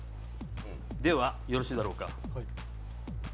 では、よろしいだろうか。